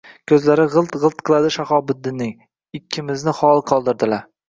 Koʼzlari gʼilt-gʼilt qiladi Shahobiddinning. Ikkimizni xoli qoldirdilar.